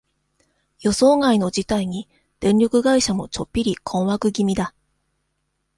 予想外の事態に、電力会社も、ちょっぴり困惑気味だ。